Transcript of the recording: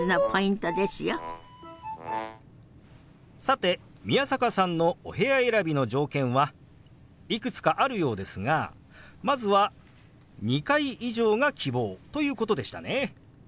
さて宮坂さんのお部屋選びの条件はいくつかあるようですがまずは２階以上が希望ということでしたね。